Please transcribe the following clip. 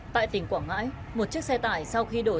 tại tỉnh quảng ngãi một chiếc xe tăng nạn nhân đã bị đuối nước